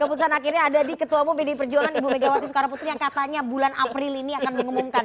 keputusan akhirnya ada di ketua umum pdi perjuangan ibu megawati soekarno putri yang katanya bulan april ini akan mengumumkan